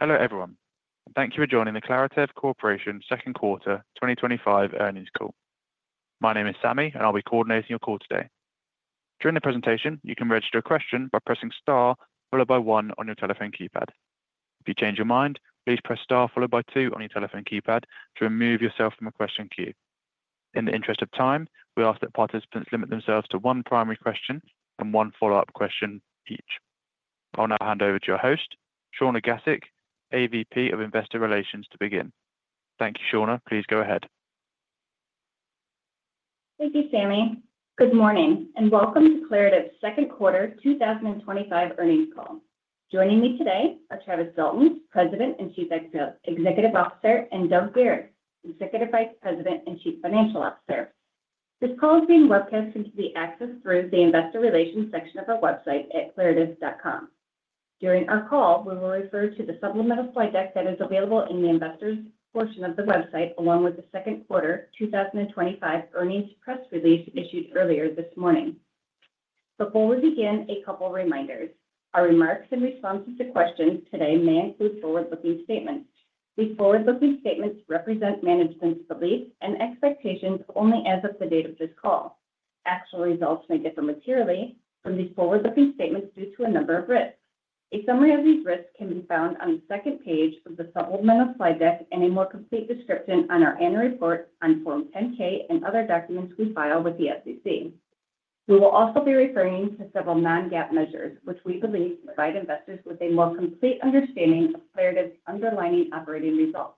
Hello everyone. Thank you for joining the Claritev Corporation second quarter 2025 earnings call. My name is Sammy, and I'll be coordinating your call today. During the presentation, you can register a question by pressing star followed by one on your telephone keypad. If you change your mind, please press star followed by two on your telephone keypad to remove yourself from a question queue. In the interest of time, we ask that participants limit themselves to one primary question and one follow-up question each. I'll now hand over to your host, Shawna Gasik, AVP of Investor Relations, to begin. Thank you, Shawna. Please go ahead. Thank you, Sammy. Good morning and welcome to Claritev's second quarter 2025 earnings call. Joining me today are Travis Dalton, President and Chief Executive Officer, and Doug Garis, Executive Vice President and Chief Financial Officer. This call is being webcast and can be accessed through the Investor Relations section of our website at claritev.com. During our call, we will refer to the supplemental slide deck that is available in the Investors portion of the website, along with the second quarter 2025 earnings press release issued earlier this morning. Before we begin, a couple of reminders. Our remarks and responses to questions today may include forward-looking statements. These forward-looking statements represent management's beliefs and expectations only as of the date of this call. Actual results may differ materially from these forward-looking statements due to a number of risks. A summary of these risks can be found on the second page of the supplemental slide deck and a more complete description on our annual report on Form 10-K and other documents we file with the SEC. We will also be referring to several non-GAAP measures, which we believe provide investors with a more complete understanding of Claritev's underlying operating results.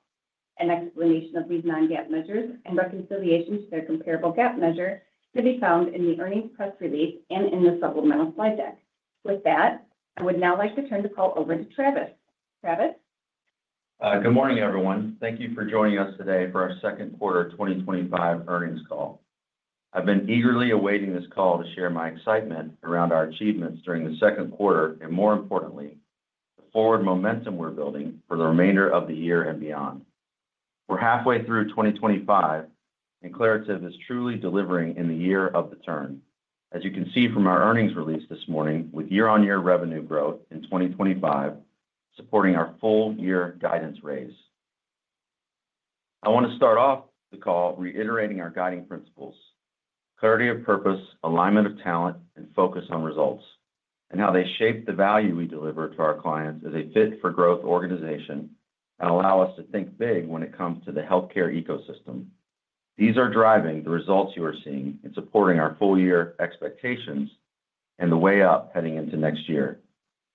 An explanation of these non-GAAP measures and reconciliation to their comparable GAAP measure can be found in the earnings press release and in the supplemental slide deck. With that, I would now like to turn the call over to Travis. Travis. Good morning, everyone. Thank you for joining us today for our second quarter 2025 earnings call. I've been eagerly awaiting this call to share my excitement around our achievements during the second quarter and, more importantly, the forward momentum we're building for the remainder of the year and beyond. We're halfway through 2025, Claritev is truly delivering in the year of the turn. As you can see from our earnings release this morning, with year-on-year revenue growth in 2025, supporting our full-year guidance raise. I want to start off the call reiterating our guiding principles: clarity of purpose, alignment of talent, and focus on results, and how they shape the value we deliver to our clients as a fit-for-growth organization and allow us to think big when it comes to the healthcare ecosystem. These are driving the results you are seeing and supporting our full-year expectations and the way up heading into next year.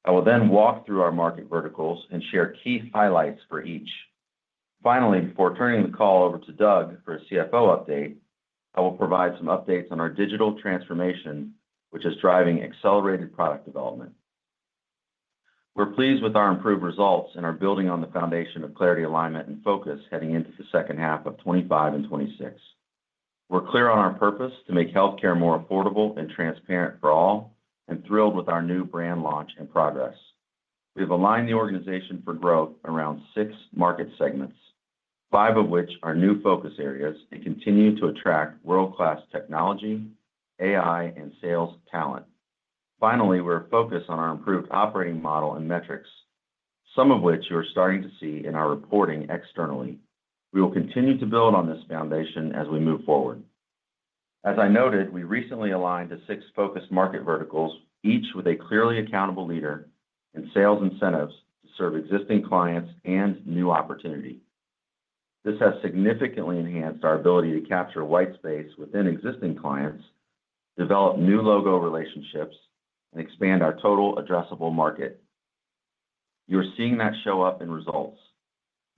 I will then walk through our market verticals and share key highlights for each. Finally, before turning the call over to Doug for a CFO update, I will provide some updates on our digital transformation, which is driving accelerated product development. We're pleased with our improved results and are building on the foundation of clarity, alignment, and focus heading into the second half of 2025 and 2026. We're clear on our purpose to make healthcare more affordable and transparent for all, and thrilled with our new brand launch and progress. We have aligned the organization for growth around six market segments, five of which are new focus areas and continue to attract world-class technology, AI, and sales talent. Finally, we're focused on our improved operating model and metrics, some of which you are starting to see in our reporting externally. We will continue to build on this foundation as we move forward. As I noted, we recently aligned the six focus market verticals, each with a clearly accountable leader and sales incentives to serve existing clients and new opportunity. This has significantly enhanced our ability to capture white space within existing clients, develop new logo relationships, and expand our total addressable market. You are seeing that show up in results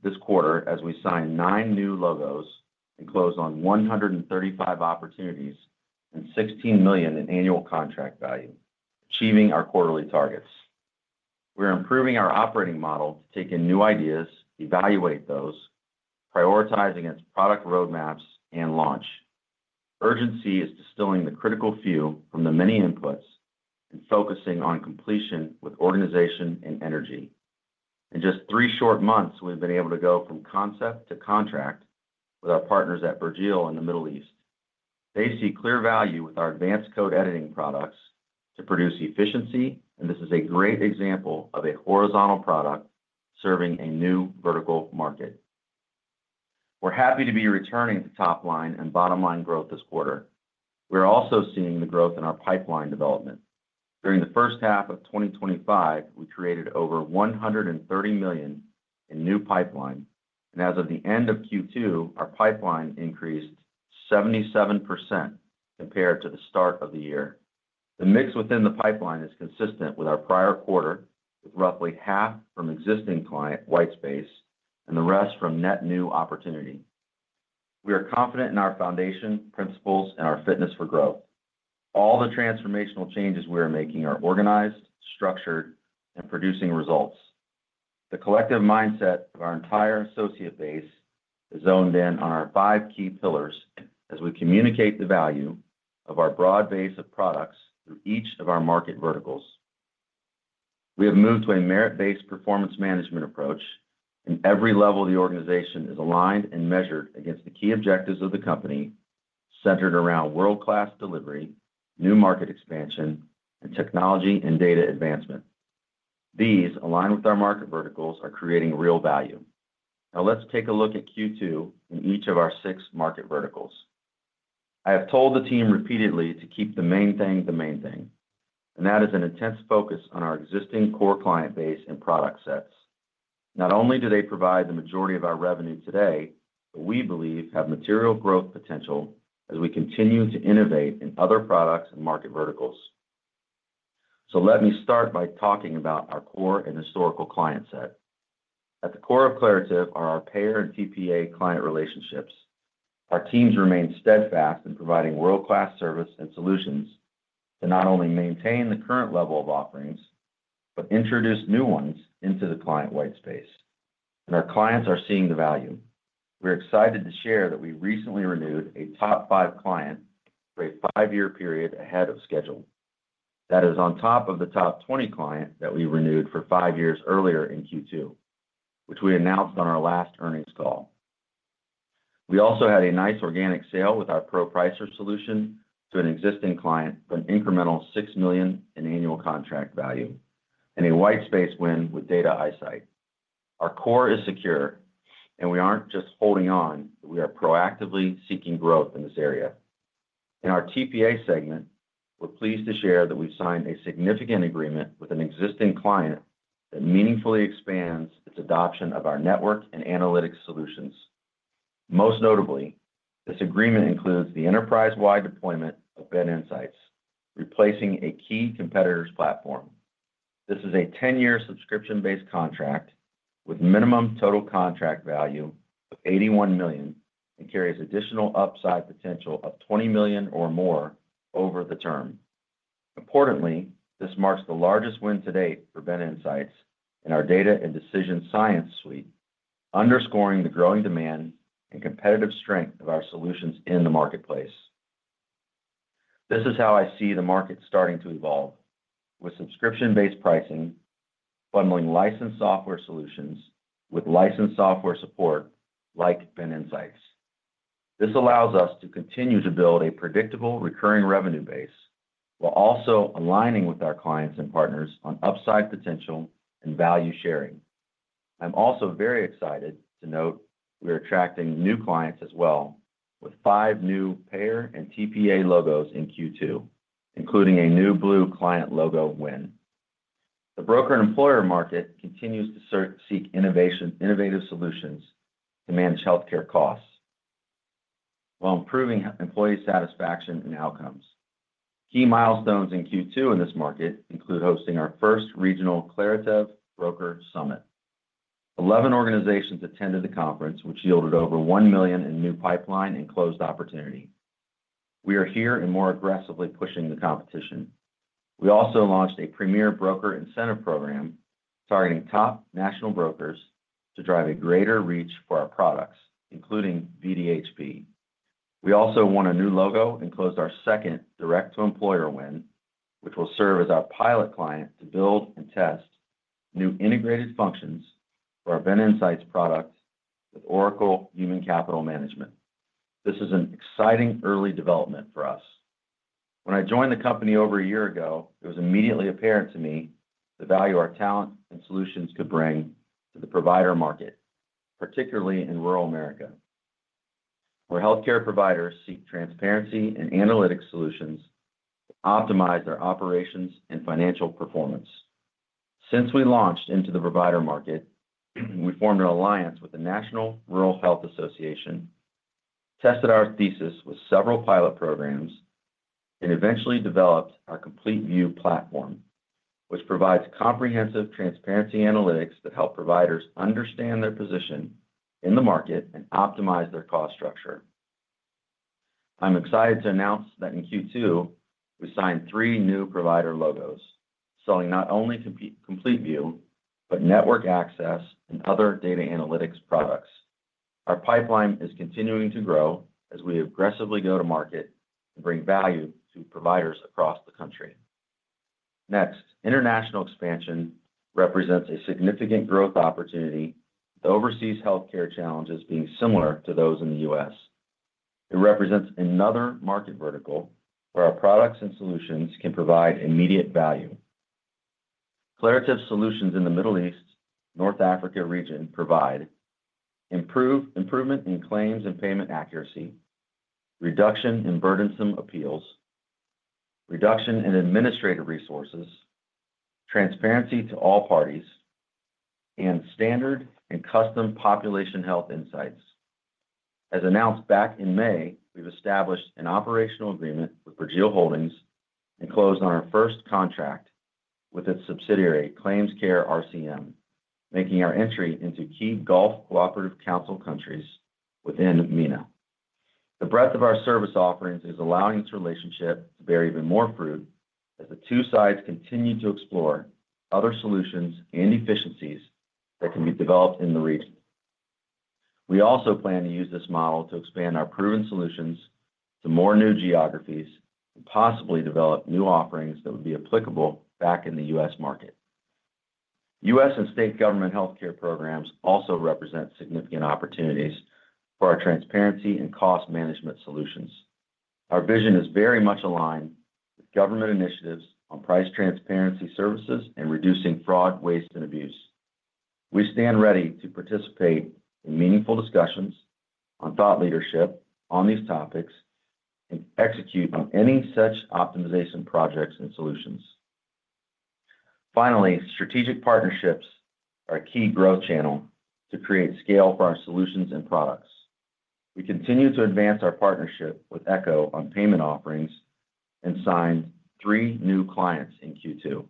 this quarter as we sign nine new logos and close on 135 opportunities and $16 million in annual contract value, achieving our quarterly targets. We're improving our operating model to take in new ideas, evaluate those, prioritizing its product roadmaps and launch. Urgency is distilling the critical fuel from the many inputs and focusing on completion with organization and energy. In just three short months, we've been able to go from concept to contract with our partners at Virgil in the Middle East. They see clear value with our advanced code editing products to produce efficiency, and this is a great example of a horizontal product serving a new vertical market. We're happy to be returning to top line and bottom line growth this quarter. We are also seeing the growth in our pipeline development. During the first half of 2025, we created over $130 million in new pipeline, and as of the end of Q2, our pipeline increased 77% compared to the start of the year. The mix within the pipeline is consistent with our prior quarter, with roughly half from existing client white space and the rest from net new opportunity. We are confident in our foundation principles and our fitness for growth. All the transformational changes we are making are organized, structured, and producing results. The collective mindset of our entire associate base is zoned in on our five key pillars as we communicate the value of our broad base of products through each of our market verticals. We have moved to a merit-based performance management approach, and every level of the organization is aligned and measured against the key objectives of the company, centered around world-class delivery, new market expansion, and technology and data advancement. These, aligned with our market verticals, are creating real value. Now let's take a look at Q2 in each of our six market verticals. I have told the team repeatedly to keep the main thing the main thing, and that is an intense focus on our existing core client base and product sets. Not only do they provide the majority of our revenue today, but we believe have material growth potential as we continue to innovate in other products and market verticals. Let me start by talking about our core and historical client set. At the core Claritev are our payer and TPA client relationships. Our teams remain steadfast in providing world-class service and solutions to not only maintain the current level of offerings, but introduce new ones into the client white space. Our clients are seeing the value. We're excited to share that we recently renewed a top five client for a five-year period ahead of schedule. That is on top of the top 20 client that we renewed for five years earlier in Q2, which we announced on our last earnings call. We also had a nice organic sale with our ProPricer solution to an existing client for an incremental $6 million in annual contract value, and a white space win with Data Eyesight. Our core is secure, and we aren't just holding on, but we are proactively seeking growth in this area. In our TPA segment, we're pleased to share that we've signed a significant agreement with an existing client that meaningfully expands its adoption of our network and analytics solutions. Most notably, this agreement includes the enterprise-wide deployment BenInsights, replacing a key competitor's platform. This is a 10-year subscription-based contract with minimum total contract value of $81 million and carries additional upside potential of $20 million or more over the term. Importantly, this marks the largest win to date BenInsights in our data and decision science suite, underscoring the growing demand and competitive strength of our solutions in the marketplace. This is how I see the market starting to evolve, with subscription-based pricing, bundling licensed software solutions with licensed software support BenInsights. this allows us to continue to build a predictable, recurring revenue base, while also aligning with our clients and partners on upside potential and value sharing. I'm also very excited to note we are attracting new clients as well, with five new payer and TPA logos in Q2, including a new blue client logo win. The broker and employer market continues to seek innovative solutions to manage healthcare costs while improving employee satisfaction and outcomes. Key milestones in Q2 in this market include hosting our first regional Claritev broker summit. Eleven organizations attended the conference, which yielded over $1 million in new pipeline and closed opportunity. We are here and more aggressively pushing the competition. We also launched a premier broker incentive program targeting top national brokers to drive a greater reach for our products, including VDHP. We also won a new logo and closed our second direct-to-employer win, which will serve as our pilot client to build and test new integrated functions for BenInsights product with Oracle Human Capital Management. This is an exciting early development for us. When I joined the company over a year ago, it was immediately apparent to me the value our talent and solutions could bring to the provider market, particularly in rural America, where healthcare providers seek transparency and analytic solutions to optimize their operations and financial performance. Since we launched into the provider market, we formed an alliance with the National Rural Health Association, tested our thesis with several pilot programs, and eventually developed our Complete View platform, which provides comprehensive transparency analytics that help providers understand their position in the market and optimize their cost structure. I'm excited to announce that in Q2, we signed three new provider logos, selling not only Complete View but network access and other data analytics products. Our pipeline is continuing to grow as we aggressively go to market and bring value to providers across the country. Next, international expansion represents a significant growth opportunity, with overseas healthcare challenges being similar to those in the U.S. It represents another market vertical where our products and solutions can provide immediate value. Claritev Solutions in the Middle East and North Africa region provide improvement in claims and payment accuracy, reduction in burdensome appeals, reduction in administrative resources, transparency to all parties, and standard and custom population health insights. As announced back in May, we've established an operational agreement with Virgil Holdings and closed on our first contract with its subsidiary, ClaimsCare RCM, making our entry into key Gulf Cooperation Council countries within MENA. The breadth of our service offerings is allowing this relationship to bear even more fruit as the two sides continue to explore other solutions and efficiencies that can be developed in the region. We also plan to use this model to expand our proven solutions to more new geographies and possibly develop new offerings that would be applicable back in the U.S. market. U.S. and state government healthcare programs also represent significant opportunities for our transparency and cost management solutions. Our vision is very much aligned with government initiatives on price transparency services and reducing fraud, waste, and abuse. We stand ready to participate in meaningful discussions on thought leadership on these topics and execute on any such optimization projects and solutions. Finally, strategic partnerships are a key growth channel to create scale for our solutions and products. We continue to advance our partnership with Echo on payment offerings and signed three new clients in Q2.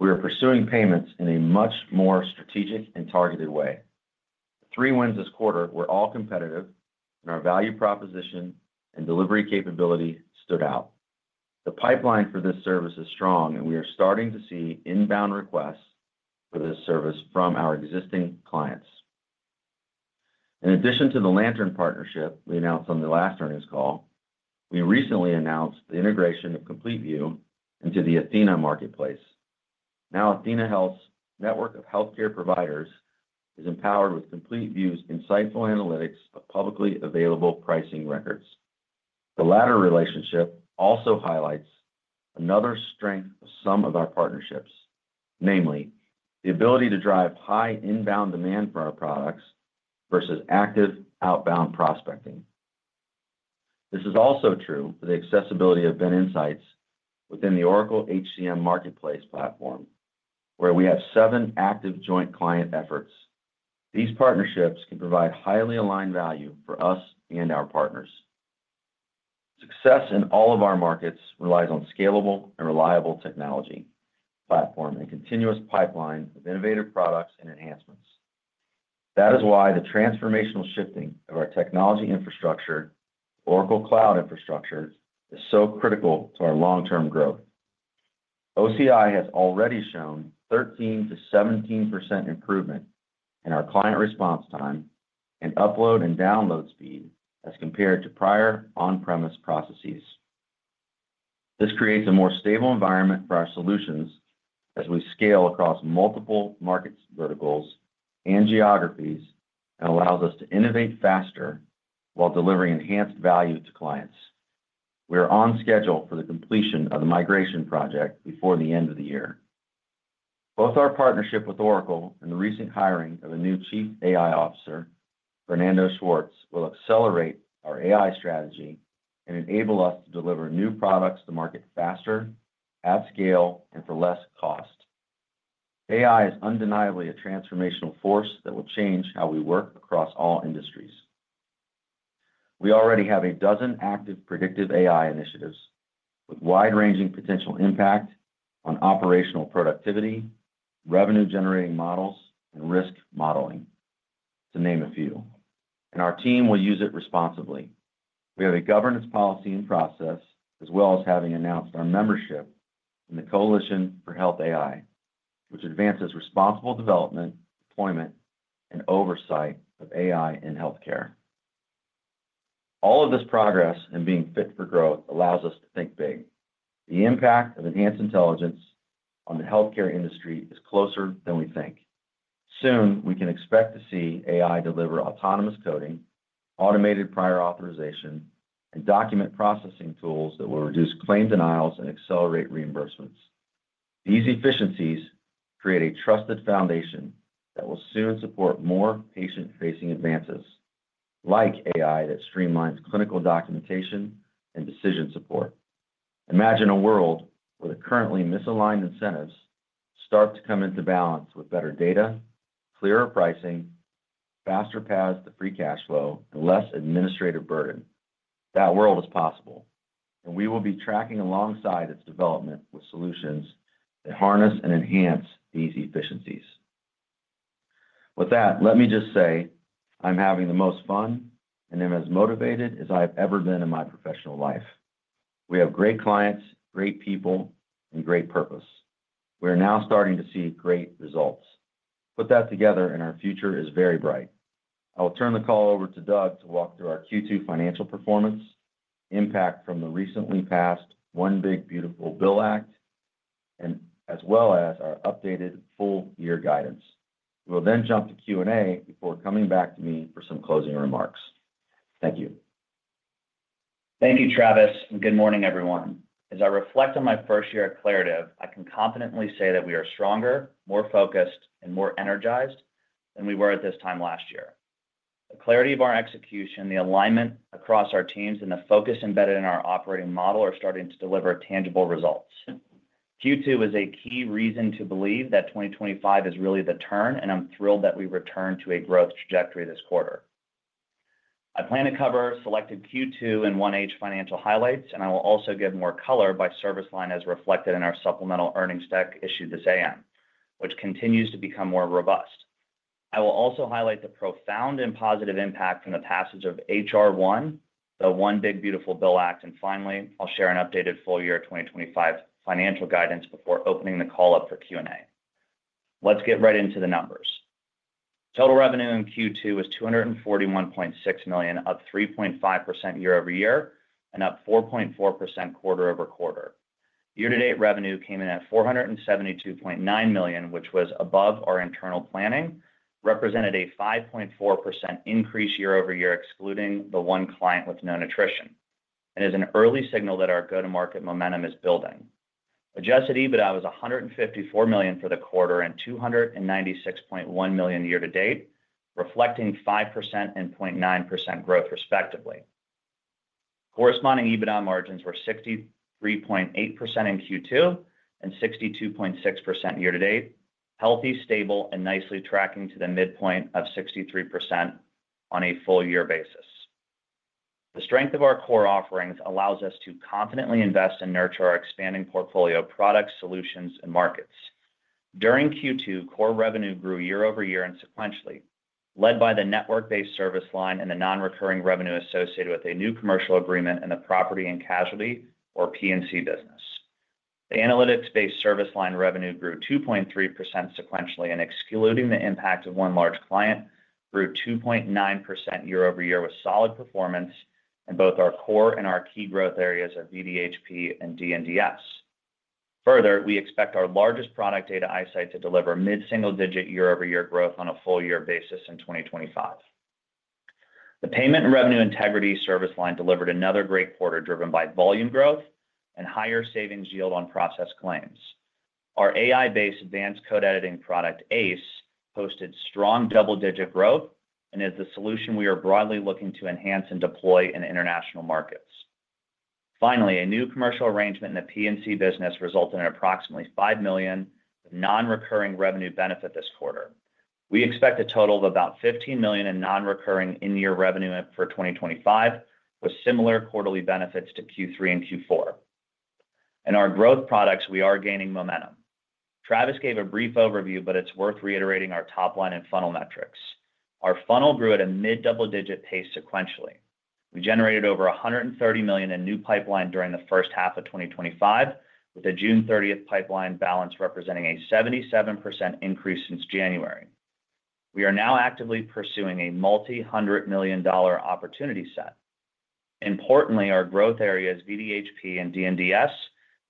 We are pursuing payments in a much more strategic and targeted way. The three wins this quarter were all competitive, and our value proposition and delivery capability stood out. The pipeline for this service is strong, and we are starting to see inbound requests for this service from our existing clients. In addition to the Lantern partnership we announced on the last earnings call, we recently announced the integration of Complete View into Athenahealth marketplace. Now, Athenahealth's network of healthcare providers is empowered with Complete View's insightful analytics of publicly available pricing records. The latter relationship also highlights another strength of some of our partnerships, namely the ability to drive high inbound demand for our products versus active outbound prospecting. This is also true for the accessibility BenInsights within the Oracle HCM marketplace platform, where we have seven active joint client efforts. These partnerships can provide highly aligned value for us and our partners. Success in all of our markets relies on scalable and reliable technology, platform, and continuous pipeline of innovative products and enhancements. That is why the transformational shifting of our technology infrastructure, Oracle Cloud Infrastructure, is so critical to our long-term growth. Oracle Cloud Infrastructure has already shown 13%-17% improvement in our client response time and upload and download speed as compared to prior on-premise processes. This creates a more stable environment for our solutions as we scale across multiple market verticals and geographies and allows us to innovate faster while delivering enhanced value to clients. We are on schedule for the completion of the migration project before the end of the year. Both our partnership with Oracle and the recent hiring of a new Chief AI Officer, Fernando Schwartz, will accelerate our AI strategy and enable us to deliver new products to market faster, at scale, and for less cost. AI is undeniably a transformational force that will change how we work across all industries. We already have a dozen active predictive AI initiatives with wide-ranging potential impact on operational productivity, revenue-generating models, and risk modeling, to name a few. Our team will use it responsibly. We have a governance policy in process, as well as having announced our membership in the Coalition for Health AI, which advances responsible development, deployment, and oversight of AI in healthcare. All of this progress and being fit for growth allows us to think big. The impact of enhanced intelligence on the healthcare industry is closer than we think. Soon, we can expect to see AI deliver autonomous coding, automated prior authorization, and document processing tools that will reduce claim denials and accelerate reimbursements. These efficiencies create a trusted foundation that will soon support more patient-facing advances, like AI that streamlines clinical documentation and decision support. Imagine a world where the currently misaligned incentives start to come into balance with better data, clearer pricing, faster paths to free cash flow, and less administrative burden. That world is possible, and we will be tracking alongside its development with solutions that harness and enhance these efficiencies. With that, let me just say I'm having the most fun and am as motivated as I have ever been in my professional life. We have great clients, great people, and great purpose. We are now starting to see great results. Put that together, and our future is very bright. I will turn the call over to Doug to walk through our Q2 financial performance, impact from the recently passed One Big Beautiful Bill Act, as well as our updated full-year guidance. We will then jump to Q&A before coming back to me for some closing remarks. Thank you. Thank you, Travis, and good morning, everyone. As I reflect on my first year at Claritev, I can confidently say that we are stronger, more focused, and more energized than we were at this time last year. The clarity of our execution, the alignment across our teams, and the focus embedded in our operating model are starting to deliver tangible results. Q2 is a key reason to believe that 2025 is really the turn, and I'm thrilled that we returned to a growth trajectory this quarter. I plan to cover selected Q2 and 1H financial highlights, and I will also give more color by service line as reflected in our supplemental earnings deck issued this A.M., which continues to become more robust. I will also highlight the profound and positive impact from the passage of HR1, the One Big Beautiful Bill Act, and finally, I'll share an updated full-year 2025 financial guidance before opening the call up for Q&A. Let's get right into the numbers. Total revenue in Q2 was $241.6 million, up 3.5% year-over-year, and up 4.4% quarter-over-quarter. Year-to-date revenue came in at $472.9 million, which was above our internal planning, represented a 5.4% increase year-over-year, excluding the one client with no nutrition, and is an early signal that our go-to-market momentum is building. Adjusted EBITDA was $154 million for the quarter and $296.1 million year-to-date, reflecting 5% and 0.9% growth, respectively. Corresponding EBITDA margins were 63.8% in Q2 and 62.6% year-to-date, healthy, stable, and nicely tracking to the midpoint of 63% on a full-year basis. The strength of our core offerings allows us to confidently invest and nurture our expanding portfolio of products, solutions, and markets. During Q2, core revenue grew year-over-year and sequentially, led by the network-based service line and the non-recurring revenue associated with a new commercial agreement in the property and casualty, or P&C, business. The analytics-based service line revenue grew 2.3% sequentially, and excluding the impact of one large client, grew 2.9% year-over-year with solid performance in both our core and our key growth areas of VDHP and DNDS. Further, we expect our largest product, Data Eyesight, to deliver mid-single-digit year-over-year growth on a full-year basis in 2025. The payment and revenue integrity service line delivered another great quarter, driven by volume growth and higher savings yield on process claims. Our AI-based advanced code editing product, ACE, posted strong double-digit growth and is the solution we are broadly looking to enhance and deploy in international markets. Finally, a new commercial arrangement in the P&C business resulted in approximately $5 million of non-recurring revenue benefit this quarter. We expect a total of about $15 million in non-recurring in-year revenue for 2025, with similar quarterly benefits to Q3 and Q4. In our growth products, we are gaining momentum. Travis gave a brief overview, but it's worth reiterating our top line and funnel metrics. Our funnel grew at a mid-double-digit pace sequentially. We generated over $130 million in new pipeline during the first half of 2025, with a June 30 pipeline balance representing a 77% increase since January. We are now actively pursuing a multi-hundred million dollar opportunity set. Importantly, our growth areas, VDHP and DNDS,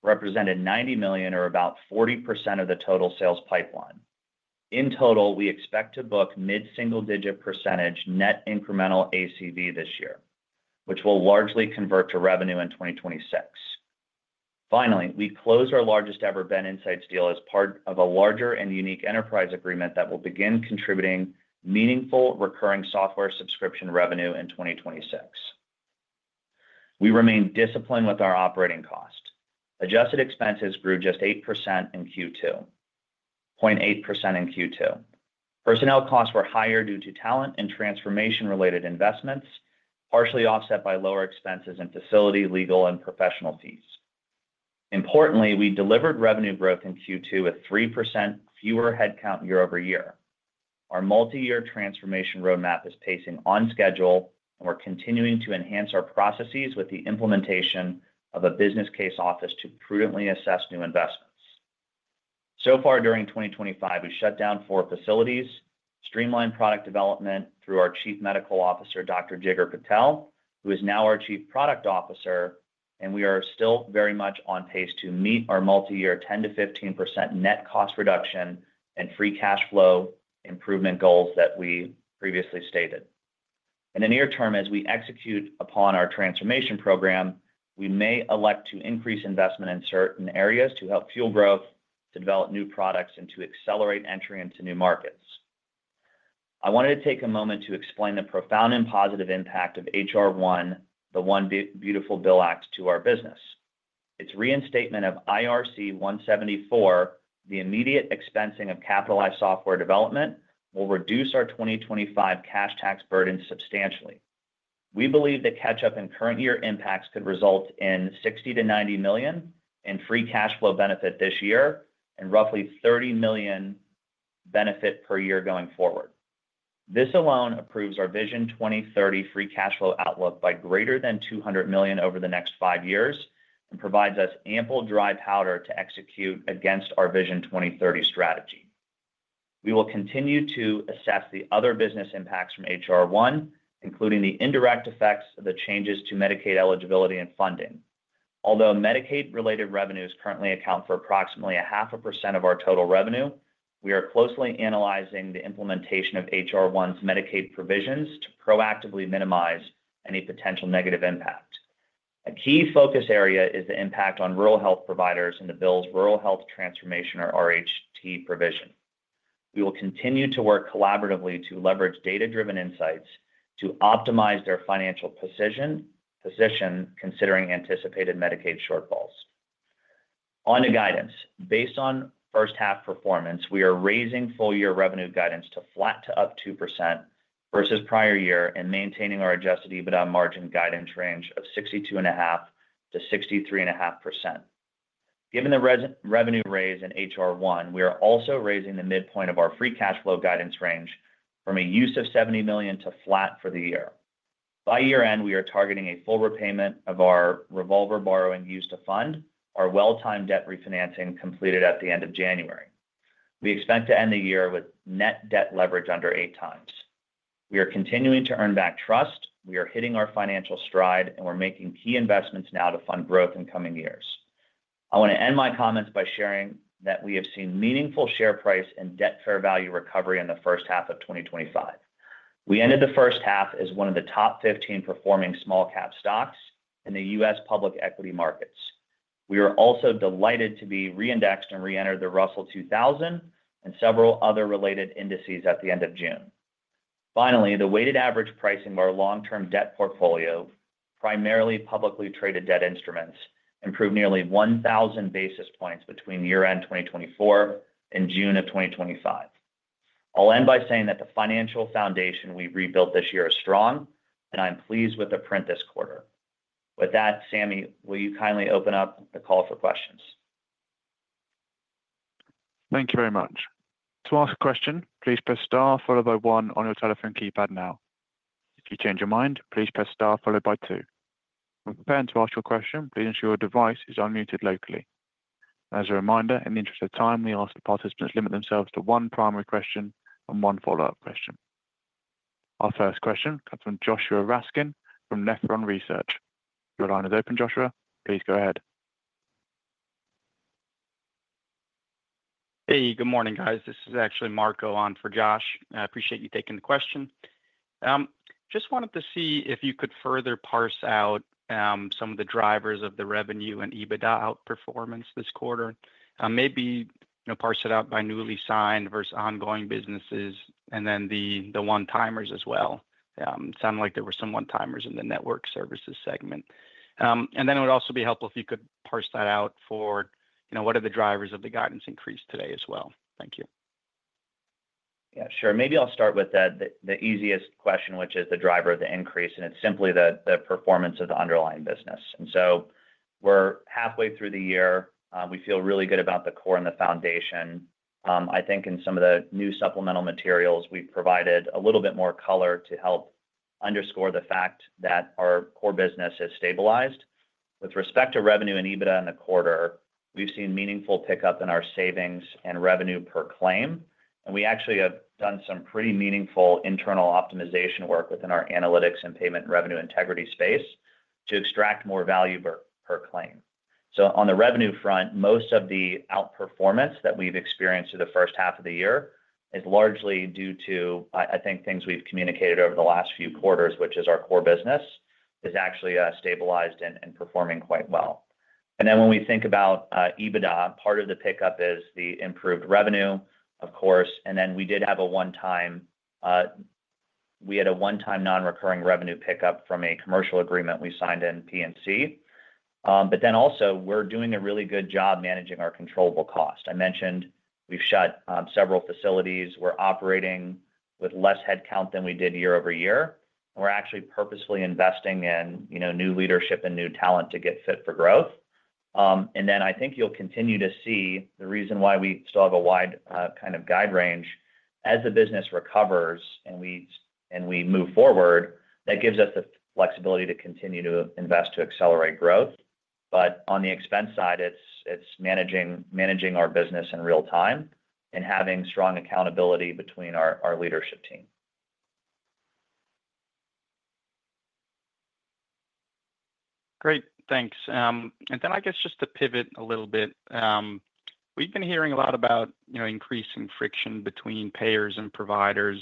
represented $90 million, or about 40% of the total sales pipeline. In total, we expect to book mid-single-digit percentage net incremental ACV this year, which will largely convert to revenue in 2026. Finally, we closed our largest BenInsights deal as part of a larger and unique enterprise agreement that will begin contributing meaningful recurring software subscription revenue in 2026. We remain disciplined with our operating cost. Adjusted expenses grew just 8% in Q2, 0.8% in Q2. Personnel costs were higher due to talent and transformation-related investments, partially offset by lower expenses in facility, legal, and professional fees. Importantly, we delivered revenue growth in Q2 with 3% fewer headcount year-over-year. Our multi-year transformation roadmap is pacing on schedule, and we're continuing to enhance our processes with the implementation of a business case office to prudently assess new investments. During 2025, we shut down four facilities, streamlined product development through our Chief Medical Officer, Dr. Jigar Patel, who is now our Chief Product Officer, and we are still very much on pace to meet our multi-year 10%-15% net cost reduction and free cash flow improvement goals that we previously stated. In the near term, as we execute upon our transformation program, we may elect to increase investment in certain areas to help fuel growth, to develop new products, and to accelerate entry into new markets. I wanted to take a moment to explain the profound and positive impact of HR1, the One Big Beautiful Bill Act, to our business. Its reinstatement of IRC 174, the immediate expensing of capitalized software development, will reduce our 2025 cash tax burden substantially. We believe the catch-up in current year impacts could result in $60 million-$90 million in free cash flow benefit this year and roughly $30 million benefit per year going forward. This alone improves our Vision 2030 free cash flow outlook by greater than $200 million over the next five years and provides us ample dry powder to execute against our Vision 2030 strategy. We will continue to assess the other business impacts from HR1, including the indirect effects of the changes to Medicaid eligibility and funding. Although Medicaid-related revenues currently account for approximately 0.5% of our total revenue, we are closely analyzing the implementation of HR1's Medicaid provisions to proactively minimize any potential negative impact. A key focus area is the impact on rural health providers in the bill's Rural Health Transformation, or RHT, provision. We will continue to work collaboratively to leverage data-driven insights to optimize their financial position, considering anticipated Medicaid shortfalls. On to guidance. Based on first half performance, we are raising full-year revenue guidance to flat to up 2% versus prior year and maintaining our adjusted EBITDA margin guidance range of 62.5%-63.5%. Given the revenue raise in HR1, we are also raising the midpoint of our free cash flow guidance range from a use of $70 million to flat for the year. By year end, we are targeting a full repayment of our revolver borrowing used to fund our well-timed debt refinancing completed at the end of January. We expect to end the year with net debt leverage under 8x. We are continuing to earn back trust. We are hitting our financial stride, and we're making key investments now to fund growth in coming years. I want to end my comments by sharing that we have seen meaningful share price and debt fair value recovery in the first half of 2025. We ended the first half as one of the top 15 performing small-cap stocks in the U.S. public equity markets. We were also delighted to be re-indexed and re-entered the Russell 2000 and several other related indices at the end of June. Finally, the weighted average pricing of our long-term debt portfolio, primarily publicly traded debt instruments, improved nearly 1,000 basis points between year-end 2024 and June of 2025. I'll end by saying that the financial foundation we rebuilt this year is strong, and I'm pleased with the print this quarter. With that, Sammy, will you kindly open up the call for questions? Thank you very much. To ask a question, please press star followed by one on your telephone keypad now. If you change your mind, please press star followed by two. When preparing to ask your question, please ensure your device is unmuted locally. As a reminder, in the interest of time, we ask that participants limit themselves to one primary question and one follow-up question. Our first question comes from Joshua Raskin from Nephron Research. Your line is open, Joshua. Please go ahead. Hey, good morning, guys. This is actually Marco on for Josh. I appreciate you taking the question. I just wanted to see if you could further parse out some of the drivers of the revenue and EBITDA outperformance this quarter. Maybe you know parse it out by newly signed versus ongoing businesses and then the one-timers as well. It sounded like there were some one-timers in the network services segment. It would also be helpful if you could parse that out for what are the drivers of the guidance increase today as well. Thank you. Yeah, sure. Maybe I'll start with the easiest question, which is the driver of the increase, and it's simply the performance of the underlying business. We're halfway through the year. We feel really good about the core and the foundation. I think in some of the new supplemental materials, we've provided a little bit more color to help underscore the fact that our core business has stabilized. With respect to revenue and EBITDA in the quarter, we've seen meaningful pickup in our savings and revenue per claim, and we actually have done some pretty meaningful internal optimization work within our analytics and payment and revenue integrity space to extract more value per claim. On the revenue front, most of the outperformance that we've experienced through the first half of the year is largely due to, I think, things we've communicated over the last few quarters, which is our core business is actually stabilized and performing quite well. When we think about EBITDA, part of the pickup is the improved revenue, of course. We did have a one-time, non-recurring revenue pickup from a commercial agreement we signed in P&C. We're doing a really good job managing our controllable cost. I mentioned we've shut several facilities. We're operating with less headcount than we did year-over-year. We're actually purposefully investing in new leadership and new talent to get fit for growth. I think you'll continue to see the reason why we still have a wide kind of guide range. As the business recovers and we move forward, that gives us the flexibility to continue to invest to accelerate growth. On the expense side, it's managing our business in real time and having strong accountability between our leadership team. Great, thanks. I guess just to pivot a little bit, we've been hearing a lot about increasing friction between payers and providers,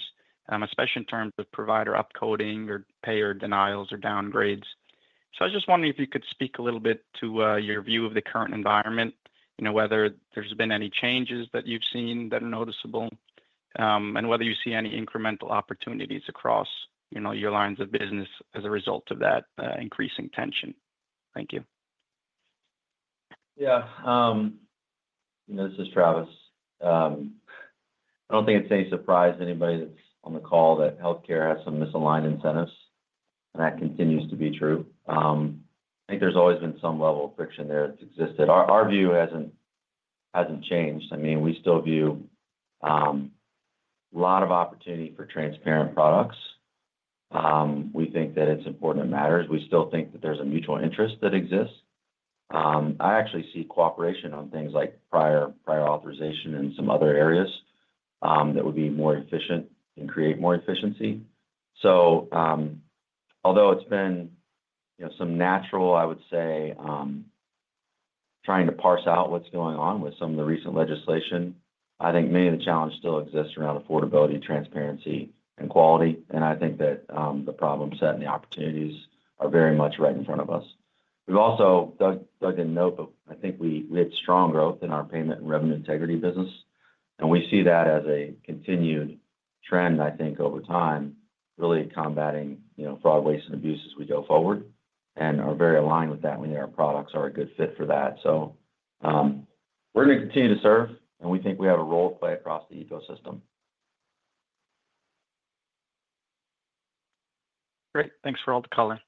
especially in terms of provider upcoding or payer denials or downgrades. I was just wondering if you could speak a little bit to your view of the current environment, you know whether there's been any changes that you've seen that are noticeable, and whether you see any incremental opportunities across your lines of business as a result of that increasing tension. Thank you. Yeah. This is Travis. I don't think it's any surprise to anybody that's on the call that healthcare has some misaligned incentives, and that continues to be true. I think there's always been some level of friction there that's existed. Our view hasn't changed. We still view a lot of opportunity for transparent products. We think that it's important and matters. We still think that there's a mutual interest that exists. I actually see cooperation on things like prior authorization in some other areas that would be more efficient and create more efficiency. Although it's been some natural, I would say, trying to parse out what's going on with some of the recent legislation, I think many of the challenges still exist around affordability, transparency, and quality. I think that the problem set and the opportunities are very much right in front of us. We've also dug in a note of, I think we had strong growth in our payment and revenue integrity business, and we see that as a continued trend, I think, over time, really combating fraud, waste, and abuse as we go forward and are very aligned with that. We know our products are a good fit for that. We're going to continue to serve, and we think we have a role to play across the ecosystem. Great. Thanks for all the color.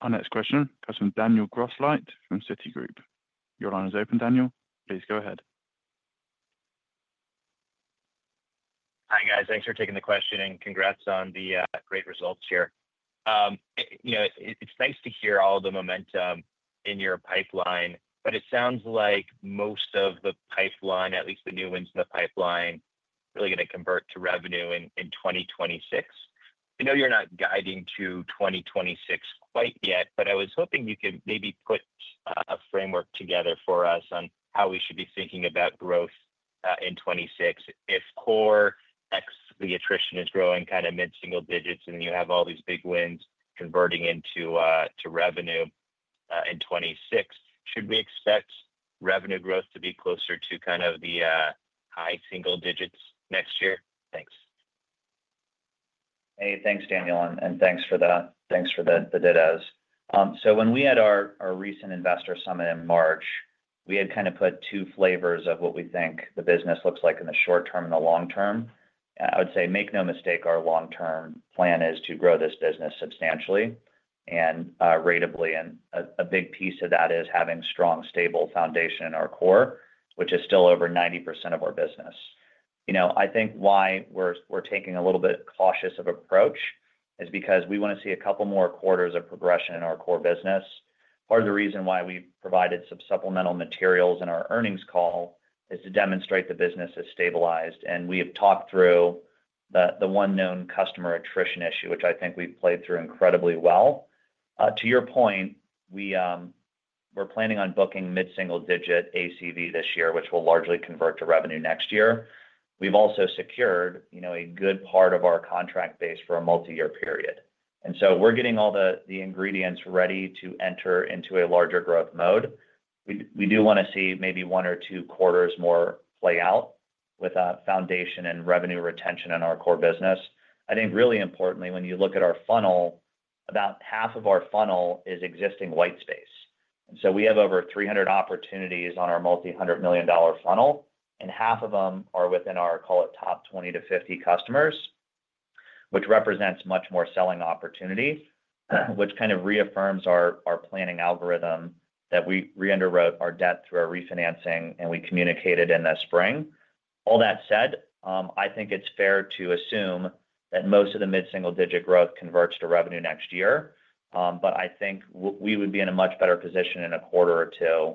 Our next question comes from Daniel Grosslight from Citigroup. Your line is open, Daniel. Please go ahead. Hi, guys. Thanks for taking the question, and congrats on the great results here. It's nice to hear all the momentum in your pipeline, but it sounds like most of the pipeline, at least the new ones in the pipeline, are really going to convert to revenue in 2026. I know you're not guiding to 2026 quite yet, but I was hoping you could maybe put a framework together for us on how we should be thinking about growth in 2026. If core X, the attrition is growing kind of mid-single digits and you have all these big wins converting into revenue in 2026, should we expect revenue growth to be closer to the high single digits next year? Thanks. Hey, thanks, Daniel, and thanks for that. Thanks for the dittoes. When we had our recent investor summit in March, we had kind of put two flavors of what we think the business looks like in the short term and the long term. I would say make no mistake, our long-term plan is to grow this business substantially and rateably. A big piece of that is having a strong, stable foundation in our core, which is still over 90% of our business. I think why we're taking a little bit cautious of approach is because we want to see a couple more quarters of progression in our core business. Part of the reason why we provided some supplemental materials in our earnings call is to demonstrate the business is stabilized, and we have talked through the one known customer attrition issue, which I think we've played through incredibly well. To your point, we're planning on booking mid-single digit ACV this year, which will largely convert to revenue next year. We've also secured a good part of our contract base for a multi-year period. We're getting all the ingredients ready to enter into a larger growth mode. We do want to see maybe one or two quarters more play out with a foundation and revenue retention in our core business. I think really importantly, when you look at our funnel, about half of our funnel is existing white space. We have over 300 opportunities on our multi-hundred million dollar funnel, and half of them are within our, call it, top 20 to 50 customers, which represents much more selling opportunities, which kind of reaffirms our planning algorithm that we re-underwrote our debt through our refinancing, and we communicated in the spring. All that said, I think it's fair to assume that most of the mid-single digit growth converts to revenue next year, but I think we would be in a much better position in a quarter or two,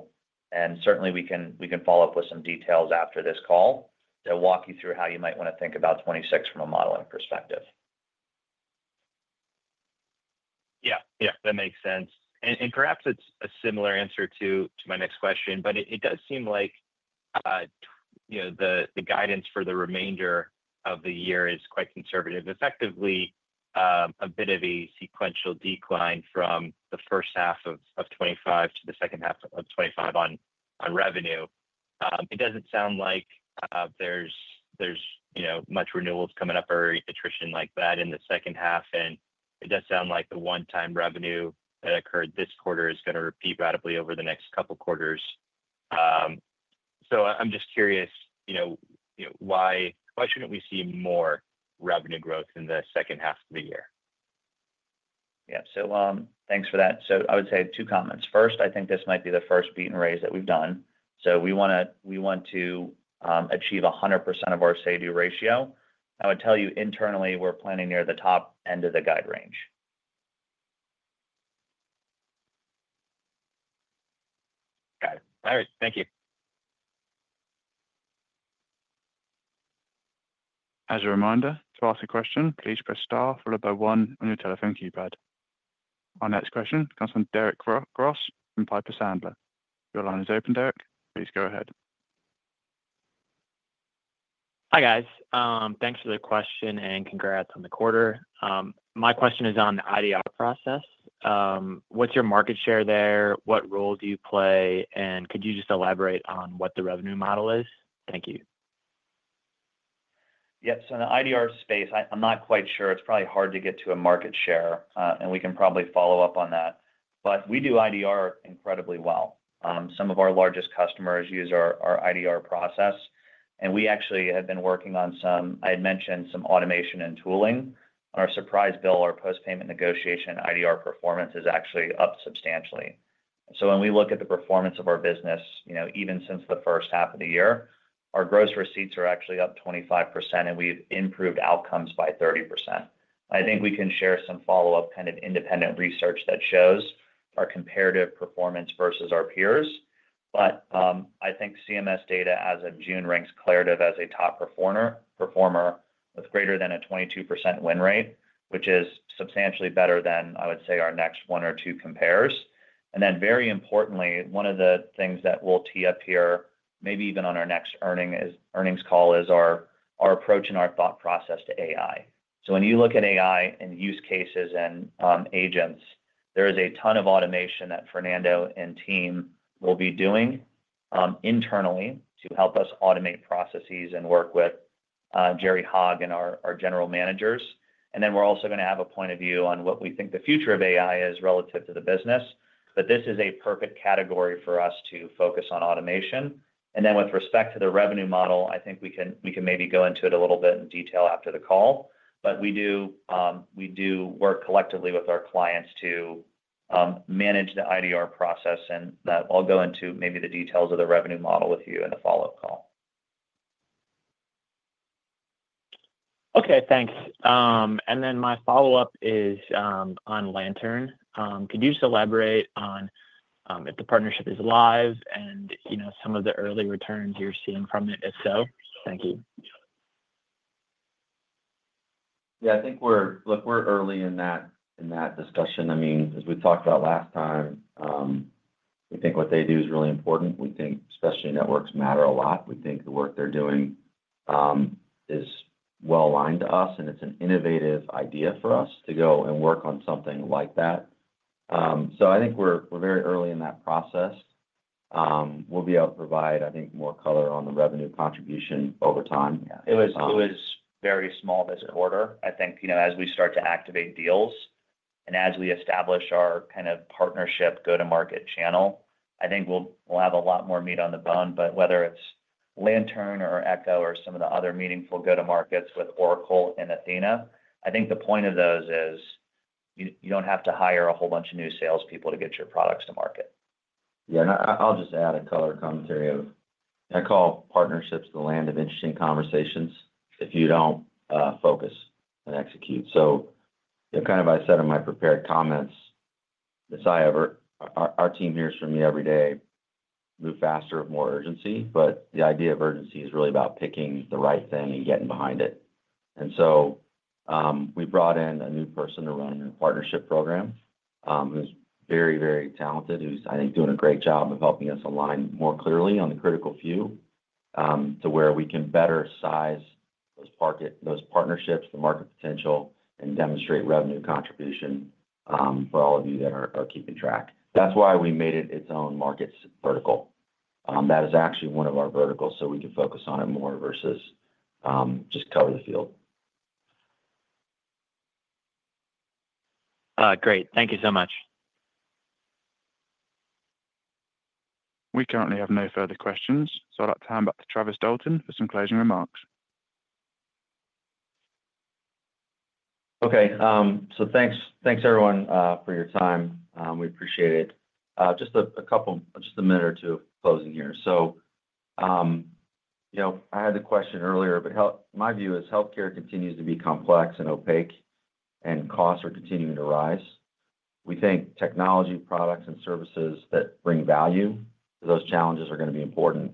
and certainly we can follow up with some details after this call to walk you through how you might want to think about 2026 from a modeling perspective. Yeah, that makes sense. Perhaps it's a similar answer to my next question, but it does seem like the guidance for the remainder of the year is quite conservative. Effectively, a bit of a sequential decline from the first half of 2025 to the second half of 2025 on revenue. It doesn't sound like there's much renewals coming up or attrition like that in the second half, and it does sound like the one-time revenue that occurred this quarter is going to repeat rapidly over the next couple quarters. I'm just curious, you know, why shouldn't we see more revenue growth in the second half of the year? Thank you for that. I would say two comments. First, I think this might be the first beat and raise that we've done. We want to achieve 100% of our say-do ratio. I would tell you internally, we're planning near the top end of the guide range. Got it. All right, thank you. As a reminder, to ask a question, please press star followed by one on your telephone keypad. Our next question comes from Derek Gross from Piper Sandler. Your line is open, Derek. Please go ahead. Hi, guys. Thanks for the question and congrats on the quarter. My question is on the IDR processes. What's your market share there? What role do you play? Could you just elaborate on what the revenue model is? Thank you. Yeah, so in the IDR space, I'm not quite sure. It's probably hard to get to a market share, and we can probably follow up on that. We do IDR incredibly well. Some of our largest customers use our IDR process, and we actually have been working on some, I had mentioned, some automation and tooling. On our surprise bill or post-payment negotiation, IDR performance is actually up substantially. When we look at the performance of our business, even since the first half of the year, our gross receipts are actually up 25%, and we've improved outcomes by 30%. I think we can share some follow-up kind of independent research that shows our comparative performance versus our peers. I think CMS data, as of June, ranks Claritev as a top performer with greater than a 22% win rate, which is substantially better than, I would say, our next one or two compares. Very importantly, one of the things that we'll tee up here, maybe even on our next earnings call, is our approach and our thought process to AI. When you look at AI and use cases and agents, there is a ton of automation that Fernando and team will be doing internally to help us automate processes and work with Jerry Hogge and our general managers. We're also going to have a point of view on what we think the future of AI is relative to the business. This is a perfect category for us to focus on automation. With respect to the revenue model, I think we can maybe go into it a little bit in detail after the call. We do work collectively with our clients to manage the IDR process, and I'll go into maybe the details of the revenue model with you in the follow-up call. Okay, thanks. My follow-up is on Lantern. Could you just elaborate on if the partnership is alive and some of the early returns you're seeing from it? If so, thank you. I think we're early in that discussion. As we talked about last time, we think what they do is really important. We think specialty networks matter a lot. We think the work they're doing is well-aligned to us, and it's an innovative idea for us to go and work on something like that. I think we're very early in that process. We'll be able to provide more color on the revenue contribution over time. Yeah, it was very small this quarter. I think as we start to activate deals and as we establish our kind of partnership go-to-market channel, I think we'll have a lot more meat on the bone. Whether it's Lantern or Echo or some of the other meaningful go-to-markets with Oracle and Athena, I think the point of those is you don't have to hire a whole bunch of new salespeople to get your products to market. Yeah, I'll just add a color commentary. I call partnerships the land of interesting conversations if you don't focus and execute. Like I said in my prepared comments, our team hears from me every day, move faster, more urgency. The idea of urgency is really about picking the right thing and getting behind it. We brought in a new person to run a new partnership program who's very, very talented, who's, I think, doing a great job of helping us align more clearly on the critical few to where we can better size those partnerships, the market potential, and demonstrate revenue contribution for all of you that are keeping track. That's why we made it its own market vertical. That is actually one of our verticals so we could focus on it more versus just cover the field. Great. Thank you so much. We currently have no further questions, so I'd like to hand back to Travis Dalton for some closing remarks. Okay, thanks everyone for your time. We appreciate it. Just a minute or two of closing here. I had the question earlier, but my view is healthcare continues to be complex and opaque, and costs are continuing to rise. We think technology, products, and services that bring value to those challenges are going to be important.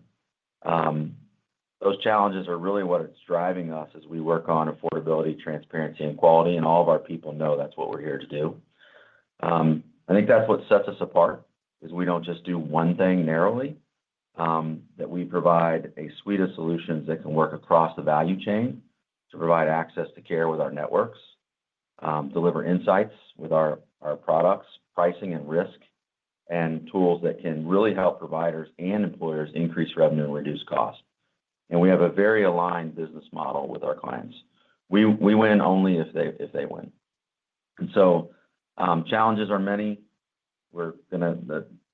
Those challenges are really what is driving us as we work on affordability, transparency, and quality, and all of our people know that's what we're here to do. I think that's what sets us apart, we don't just do one thing narrowly, we provide a suite of solutions that can work across the value chain to provide access to care with our networks, deliver insights with our products, pricing, and risk, and tools that can really help providers and employers increase revenue and reduce cost. We have a very aligned business model with our clients. We win only if they win. Challenges are many.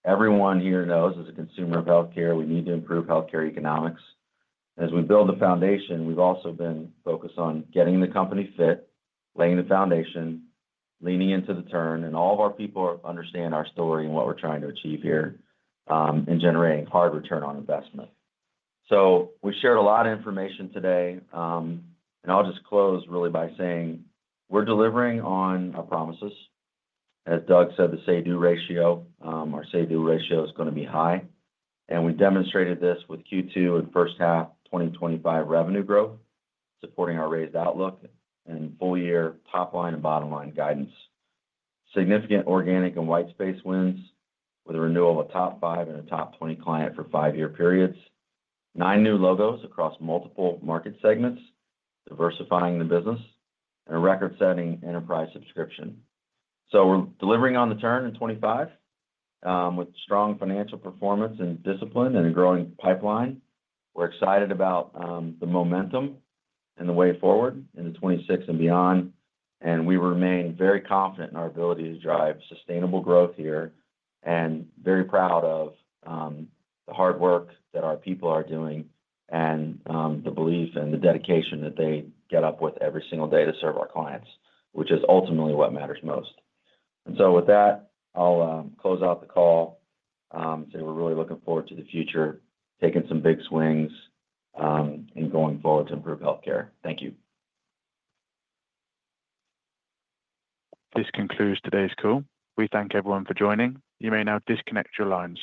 Everyone here knows as a consumer of healthcare, we need to improve healthcare economics. As we build the foundation, we've also been focused on getting the company fit, laying the foundation, leaning into the turn, and all of our people understand our story and what we're trying to achieve here in generating hard return on investment. We shared a lot of information today, and I'll just close really by saying we're delivering on a promise. Doug said the say-do ratio, our say-do ratio is going to be high, and we demonstrated this with Q2 and first half 2025 revenue growth, supporting our raised outlook and full-year top line and bottom line guidance. Significant organic and white space wins with a renewal of top five and a top 20 client for five-year periods. Nine new logos across multiple market segments, diversifying the business, and a record-setting enterprise subscription. We're delivering on the turn in 2025 with strong financial performance and discipline and a growing pipeline. We're excited about the momentum and the way forward into 2026 and beyond, and we remain very confident in our ability to drive sustainable growth here and very proud of the hard work that our people are doing and the belief and the dedication that they get up with every single day to serve our clients, which is ultimately what matters most. With that, I'll close out the call and say we're really looking forward to the future, taking some big swings, and going forward to improve healthcare. Thank you. This concludes today's call. We thank everyone for joining. You may now disconnect your lines.